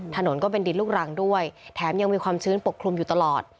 ถนนก็เป็นดินลูกรังด้วยแถมยังมีความชื้นปกคลุมอยู่ตลอด